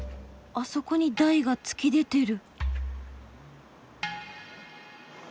あそこに台が突き出てる。